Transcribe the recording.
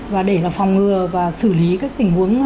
và để là phòng ngừa và xử lý các tình huống này